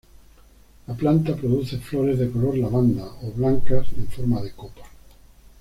La planta produce flores de color lavanda, o blancas en forma de copa.